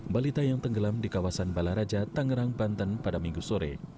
balita yang tenggelam di kawasan balaraja tangerang banten pada minggu sore